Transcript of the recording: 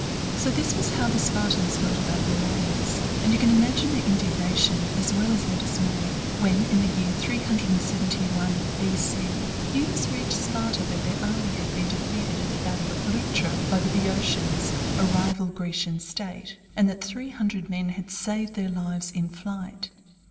So this was how the Spartans felt about their warriors; and you can imagine their indignation as well as their dismay when, in the year 371 B.C., news reached Sparta that their army had been defeated at the battle of Leuctra by the Boeotians, a rival Grecian State, and that three hundred men had saved their lives in flight.